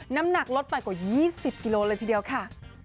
น้ำหนักลดไปกว่า๒๐กิโลเลยทีเดียวค่ะ